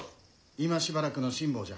・今しばらくの辛抱じゃ。